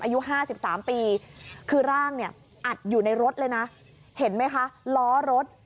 อายุ๕๓ปีคือร่างเนี่ยอัดอยู่ในรถเลยนะเห็นไหมคะล้อรถ